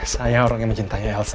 saya orang yang mencintai elsa